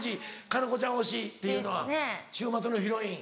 夏菜子ちゃん推しっていうのは週末のヒロイン。